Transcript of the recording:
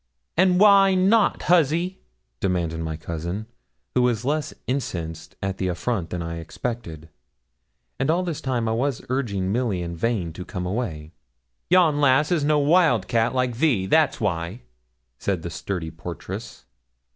'And why not, huzzy?' demanded my cousin, who was less incensed at the affront than I expected. All this time I was urging Milly in vain to come away. 'Yon lass is no wild cat, like thee that's why,' said the sturdy portress.